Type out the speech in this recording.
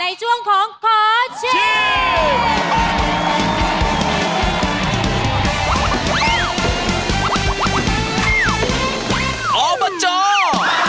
ในช่วงของขอเชียร์